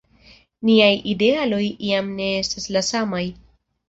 Niaj idealoj jam ne estas la samaj.